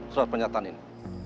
surat penyataan ini